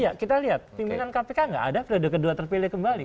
ya kita lihat pimpinan kpk nggak ada periode kedua terpilih kembali